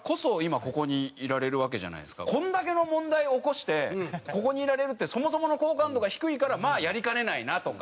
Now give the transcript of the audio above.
これだけの問題を起こしてここにいられるってそもそもの好感度が低いからまあやりかねないなとか。